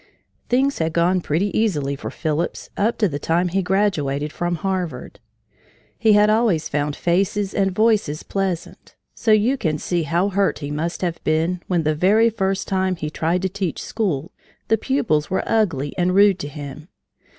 Things had gone pretty easily for Phillips up to the time he graduated from Harvard. He had always found faces and voices pleasant. So you can see how hurt he must have been when the very first time he tried to teach school the pupils were ugly and rude to him.